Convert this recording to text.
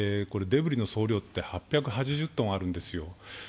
デブリの総量って８８０ｔあるんですよ。